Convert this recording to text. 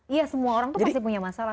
iya semua orang itu pasti punya masalah